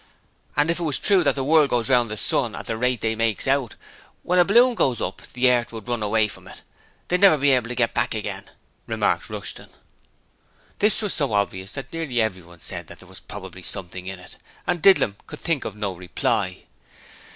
'And if it was true that the world goes round the sun at the rate they makes out, when a balloon went up, the earth would run away from it! They'd never be able to get back again!' remarked Rushton. This was so obvious that nearly everyone said there was probably something in it, and Didlum could think of no reply.